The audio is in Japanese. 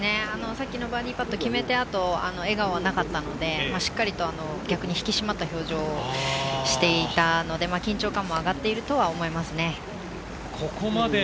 さっきのバーディーパットを決めて、笑顔はなかったので、しっかりと逆に引き締まった表情をしていたので緊張感も上がっているとは思いますね。